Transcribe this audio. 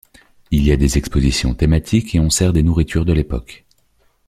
Il y a des expositions thématiques et on sert des nourritures de l'époque.